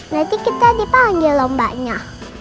nanti kita dipanggil lombaknya